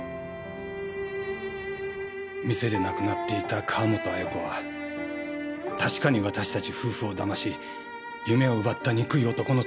店で亡くなっていた川本綾子は確かに私たち夫婦をだまし夢を奪った憎い男の妻です。